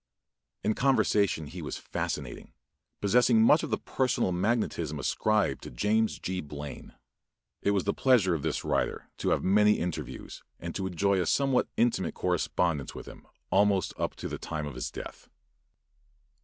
In conversation he was fascinating, possessing much of the personal magnetism ascribed to James G. Blaine. It was the pleasure of the writer to have many interviews and to enjoy a somewhat intimate correspondence with him almost up to the time of his death.